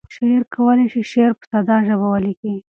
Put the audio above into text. شاعر کولی شي شعر په ساده ژبه ولیکي.